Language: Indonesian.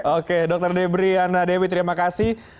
oke dr debrie anna dewi terima kasih